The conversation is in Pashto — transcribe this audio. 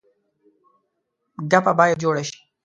ګپه باید جوړه شي.